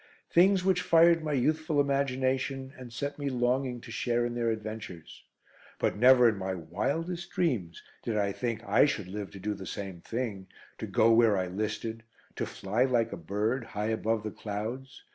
Things which fired my youthful imagination and set me longing to share in their adventures. But never in my wildest dreams did I think I should live to do the same thing, to go where I listed; to fly like a bird, high above the clouds.